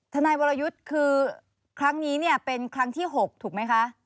ทนายวรยุทธ์คือครั้งนี้เนี่ยเป็นครั้งที่๖ถูกไหมคะ